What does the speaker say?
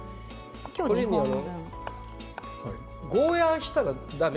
ゴーヤーにしたらだめ？